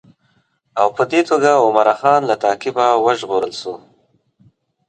او په دې توګه عمرا خان له تعقیبه وژغورل شو.